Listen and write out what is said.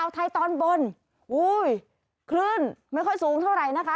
ท้ายตอนบนคลื่นไม่ค่อยสูงเท่าไรนะคะ